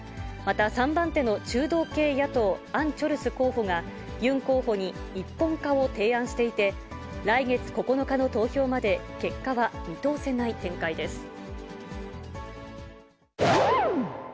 また、３番手の中道系野党・アン・チョルス候補が、ユン候補に一本化を提案していて、来月９日の投票まで、結果は見通せない展開です。